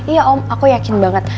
iya om aku yakin banget